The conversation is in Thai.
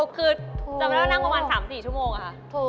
คือจำได้ว่านั่งประมาณ๓๔ชั่วโมงค่ะ